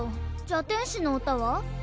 じゃ天しの歌は？